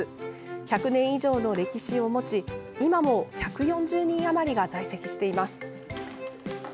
１００年以上の歴史を持ち今も１４０人余りが在籍しています。